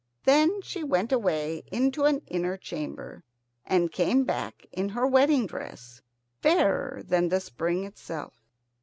Then she went away into an inner chamber, and came back in her wedding dress, fairer than the spring itself.